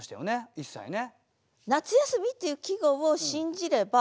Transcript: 一切ね。